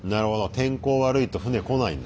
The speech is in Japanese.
天候悪いと船来ないんだ。